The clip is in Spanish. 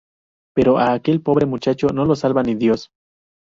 Pero a aquel pobre muchacho no lo salva ni Dios...